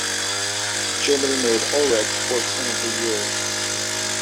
Germany made Ullrich sportsman of the year.